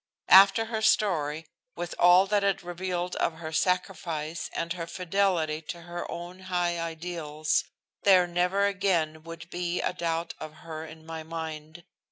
After her story, with all that it revealed of her sacrifice and her fidelity to her own high ideals, there never again would be a doubt of her in my mind.